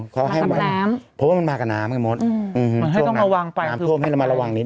เพราะว่ามันมากับน้ำน้ำถ้วงให้เรามาระวังนิดหนึ่ง